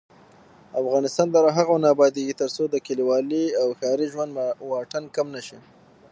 افغانستان تر هغو نه ابادیږي، ترڅو د کلیوالي او ښاري ژوند واټن کم نشي.